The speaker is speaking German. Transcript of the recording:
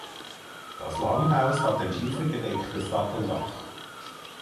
Das Langhaus hat ein schiefergedecktes Satteldach.